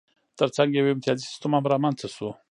ترڅنګ یې یو امتیازي سیستم هم رامنځته شو.